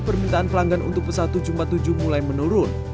permintaan pelanggan untuk pesawat satu ratus empat puluh tujuh mulai menurun